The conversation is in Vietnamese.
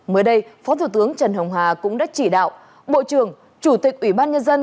mới đây phó thủ tướng trần hồng hà cũng đã chỉ đạo bộ trưởng chủ tịch ủy ban nhân dân